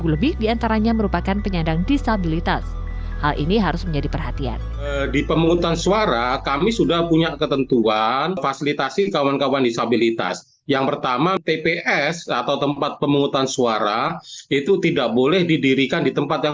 satu ratus lima puluh lima lebih diantaranya merupakan pemilih yang tidak berpengalaman